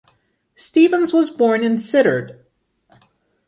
Stevens was born in Sittard.